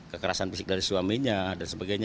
kekerasan fisik dari suaminya dan sebagainya